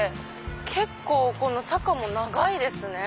結構この坂も長いですね。